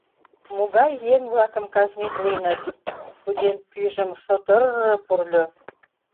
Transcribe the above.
Могай еҥ-влакым казнитленыт... — студент пӱйжым шотыр-р-р пурльо.